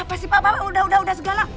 apa sih pak bapak udah udah segala